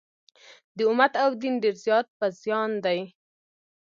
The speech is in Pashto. د امت او دین ډېر زیات په زیان دي.